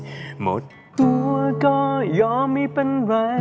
หมดตัวก็ยอมไม่เป็นไร